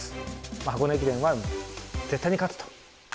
箱根駅伝は絶対に勝つと。